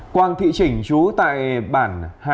quang thị chỉnh trú tại bản hai